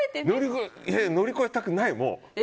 乗り越えたくない。